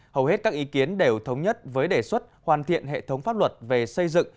hầu hết các ý kiến đều thống nhất với đề xuất hoàn thiện hệ thống pháp luật về xây dựng